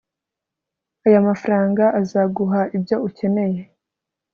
aya mafranga azaguha ibyo ukeneye